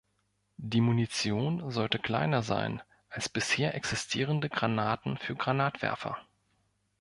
Die Munition sollte kleiner sein als bisher existierende Granaten für Granatwerfer.